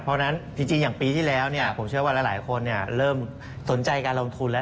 เพราะฉะนั้นจริงอย่างปีที่แล้วผมเชื่อว่าหลายคนเริ่มสนใจการลงทุนแล้ว